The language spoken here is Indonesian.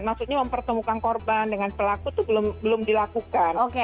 maksudnya mempertemukan korban dengan pelaku itu belum dilakukan